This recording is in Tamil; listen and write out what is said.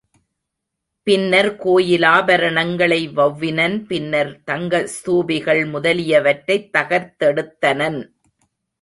பின்னர் கோயிலாபரணங்களை வெளவினன் பின்னர், தங்க ஸ்தூபிகள் முதலியவற்றைத் தகர்த்தெடுத் தனன்.